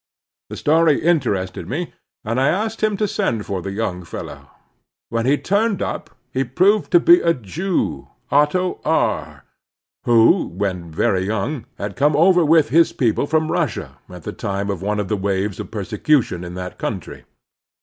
The story interested me, and I asked him to send for the yoimg fellow. When he turned up he proved to be a Jew, Otto R , who, when very young, had come over with his people from Russia at the time of one of the waves of persecution in that coimtry.